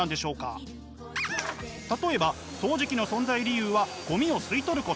例えば掃除機の存在理由はごみを吸い取ること。